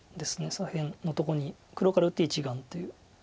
左辺のとこに黒から打って１眼という状況。